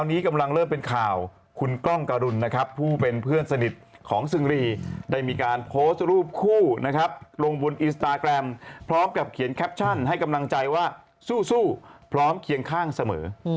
ตอนนี้กำลังเริ่มเป็นข่าวคุณกล้องการุณนะครับผู้เป็นเพื่อนสนิทของซึงรีได้มีการโพสต์รูปคู่นะครับลงบนอินสตาแกรมพร้อมกับเขียนแคปชั่นให้กำลังใจว่าสู้พร้อมเคียงข้างเสมอ